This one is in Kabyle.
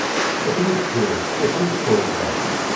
Akken i d-kkren, akken i d-tturebban.